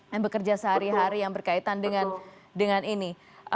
yang bekerja sehari hari yang berkaitan dengan ini